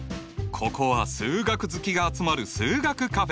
ここは数学好きが集まる数学カフェ。